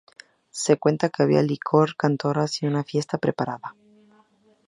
Se cuenta que había licor, cantoras y una fiesta preparada.